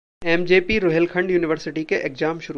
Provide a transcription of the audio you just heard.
MJP Rohilkhand university के exam शुरू